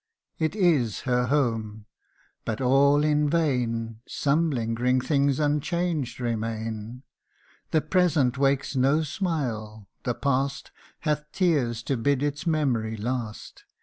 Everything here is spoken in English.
It is her home but all in vain Some lingering things unchanged remain : The present wakes no smile the past Hath tears to bid its memory last.